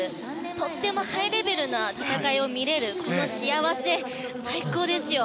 とてもハイレベルな戦いを見れるこの幸せ最高ですよ。